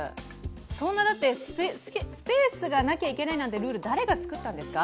そんなスペースがなきゃいけないなんてルール、誰が作ったんですか？